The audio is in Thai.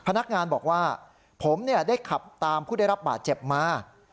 พนักงานบอกว่าผมได้ขับตามผู้ได้รับบาดเจ็บมา